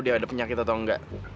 dia ada penyakit atau enggak